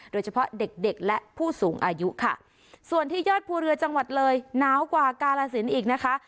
โดยเฉพาะเด็กเด็กและผู้สูงอายุค่ะส่วนที่ยอดภูเรือจังหวัดเลยหนาวกว่ากาลสินอีกนะคะ